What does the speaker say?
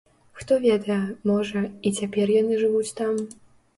Хто ведае, можа, і цяпер яны жывуць там?